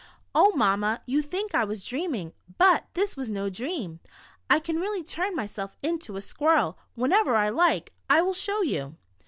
" Oh, Mamma, you think I was dreaming, but this was no dream. I can really turn myself into a squirrel, whenever I like — I will show you."